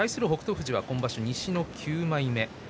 富士は今場所、西の９枚目。